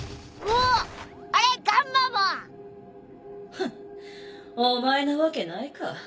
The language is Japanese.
フッお前なわけないか。